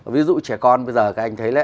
ví dụ trẻ con bây giờ các anh thấy